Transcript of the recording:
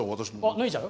脱いじゃう？